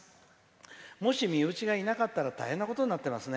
もし、身内がいなかったら大変なことになってますね。